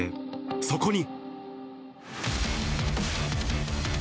そこに。